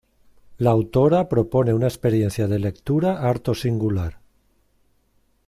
La autora propone una experiencia de lectura harto singular.